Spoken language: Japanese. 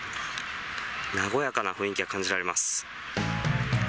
和やかな雰囲気が感じられます。